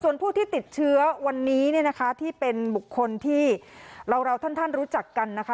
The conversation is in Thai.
ส่วนผู้ที่ติดเชื้อวันนี้เนี่ยนะคะที่เป็นบุคคลที่เราเราท่านรู้จักกันนะคะ